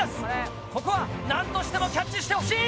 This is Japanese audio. ここはなんとしてもキャッチしてほしい！